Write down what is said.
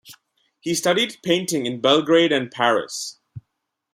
He studied painting in Belgrade and Paris.